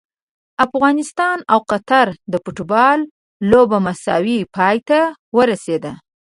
افغانستان او قطر د فوټبال لوبه مساوي پای ته ورسیده!